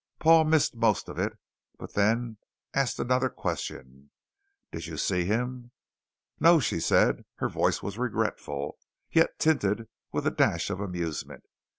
Paul missed most of it, but then asked another question: "Did you see him?" "No," she said. Her voice was regretful, yet tinted with a dash of amusement.